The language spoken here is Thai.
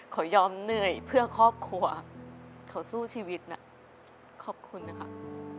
เขายอมเหนื่อยเพื่อครอบครัวเขาสู้ชีวิตนะขอบคุณนะครับ